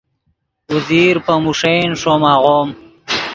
اوزیر پے موݰین ݰوم آغوم